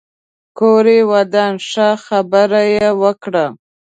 کور يې ودان ښه خبره يې وکړه